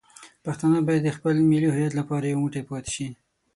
پښتانه باید د خپل ملي هویت لپاره یو موټی پاتې شي.